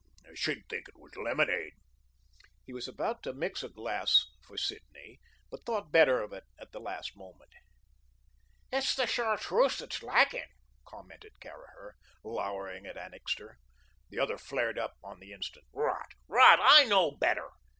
She'd think it was lemonade." He was about to mix a glass for Sidney, but thought better of it at the last moment. "It's the chartreuse that's lacking," commented Caraher, lowering at Annixter. The other flared up on the instant. "Rot, rot. I know better.